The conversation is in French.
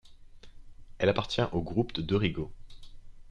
Elle appartient au groupe De Rigo.